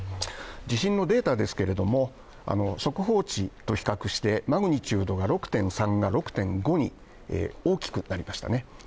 地震のデータですけれども速報値と比較してマグニチュードが６．３が６．５に大きくなりましたね。